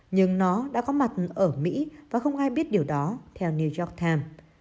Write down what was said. nhưng nó đã có mặt ở mỹ và không ai biết điều đó theo new york times